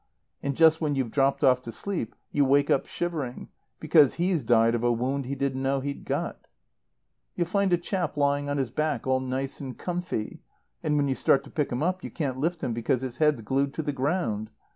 And just when you've dropped off to sleep you wake up shivering, because he's died of a wound he didn't know he'd got. "You'll find a chap lying on his back all nice and comfy, and when you start to pick him up you can't lift him because his head's glued to the ground.